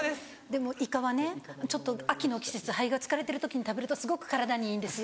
でもいかはねちょっと秋の季節肺が疲れてる時に食べるとすごく体にいいんですよ。